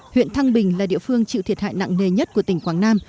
huyện thăng bình là địa phương chịu thiệt hại nặng nề nhất của tỉnh quảng nam